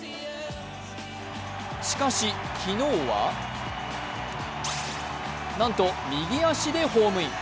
しかし、昨日はなんと、右足でホームイン。